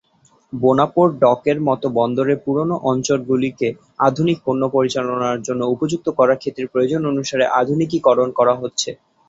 Bonaparte ডকের মতো বন্দরের পুরানো অঞ্চলগুলিকে আধুনিক পণ্য পরিচালনার জন্য উপযুক্ত করার ক্ষেত্রে প্রয়োজন অনুসারে আধুনিকীকরণ করা হচ্ছে।